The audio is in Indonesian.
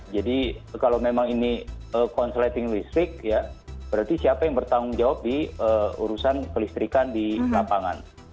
jadi kalau memang ini konsulating listrik ya berarti siapa yang bertanggung jawab di urusan kelistrikan di lapangan